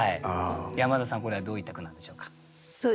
山田さんこれはどういった句なんでしょうか？